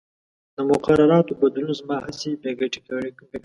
د مقرراتو بدلون زما هڅې بې ګټې کړې.